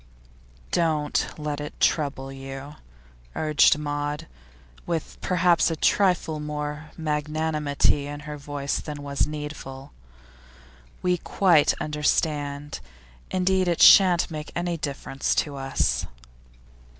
'Don't let it trouble you,' urged Maud, with perhaps a trifle more of magnanimity in her voice than was needful. We quite understand. Indeed, it shan't make any difference to us.